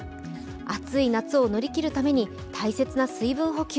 暑い夏を乗り切るために大切な水分補給。